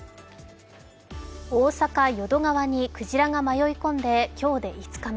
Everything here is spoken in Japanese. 大阪・淀川にクジラが迷い込んで今日で５日目。